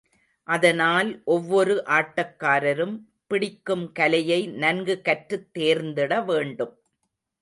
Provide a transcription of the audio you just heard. அதனால் ஒவ்வொரு ஆட்டக்காரரும் பிடிக்கும் கலையை நன்கு கற்றுத் தேர்ந்திட வேண்டும்.